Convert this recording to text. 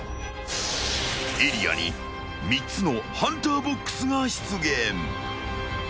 ［エリアに３つのハンターボックスが出現］